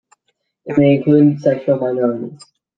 It may include sexual minorities.